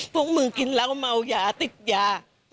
พวกมึงกินเหล้าเมายาติดยา